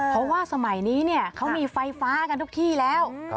เพราะว่าสมัยนี้เขามีไฟฟ้ากันทุกที่แล้ว